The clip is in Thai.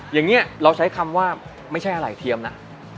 อย่างนี้เราใช้คำว่าไม่ใช่อะไรเทียมนะ